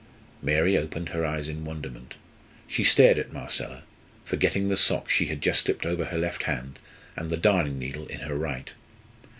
Mary opened her eyes in wonderment. She stared at Marcella, forgetting the sock she had just slipped over her left hand, and the darning needle in her right.